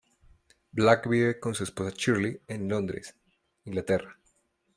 Black vive con su esposa Shirley en Londres, Inglaterra.